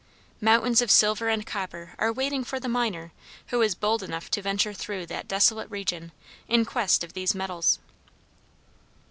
Mountains of silver and copper are waiting for the miner who is bold enough to venture through that desolate region in quest of these metals.